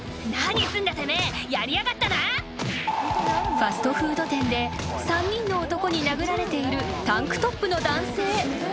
［ファストフード店で３人の男に殴られているタンクトップの男性］